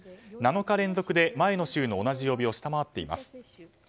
７日連続で前の週の同じ曜日を下回っています。